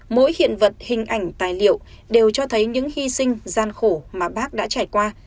mỗi hiện vật hình ảnh tài liệu đều cho thấy những hy sinh gian khổ mà bác đã trải qua